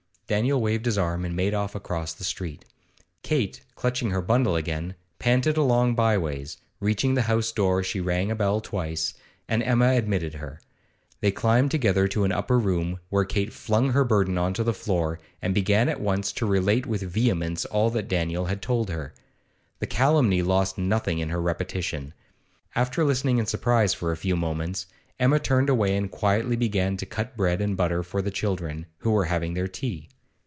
Daniel waved his arm and made off across the street. Kate, clutching her bundle again, panted along by ways; reaching the house door she rang a bell twice, and Emma admitted her. They climbed together to an upper room, where Kate flung her burden on to the floor and began at once to relate with vehemence all that Daniel had told her. The calumny lost nothing in her repetition. After listening in surprise for a few moments, Emma turned away and quietly began to cut bread and butter for the children, who were having their tea.